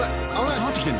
下がってきてるんだ。